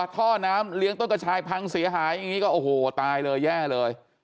ท่อน้ำเลี้ยงต้นกระชายพังเสียหายอย่างนี้ก็โอ้โหตายเลยแย่เลย